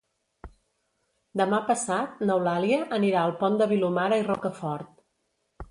Demà passat n'Eulàlia anirà al Pont de Vilomara i Rocafort.